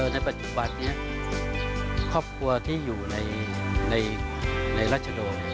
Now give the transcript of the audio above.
ในปัจจุบันนี้ครอบครัวที่อยู่ในรัชโด